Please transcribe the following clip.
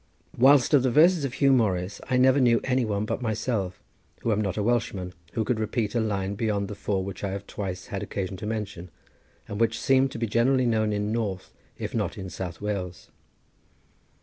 Whilst of the verses of Huw Morris I never knew any one but myself, who am not a Welshman, who could repeat a line beyond the four which I have twice had occasion to mention, and which seem to be generally known in North, if not in South Wales.